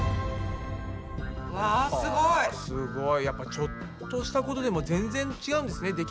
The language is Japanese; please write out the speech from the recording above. やっぱちょっとしたことでも全然ちがうんですね